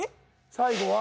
最後は。